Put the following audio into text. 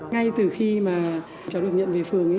ngay từ khi mà cháu được nhận về phường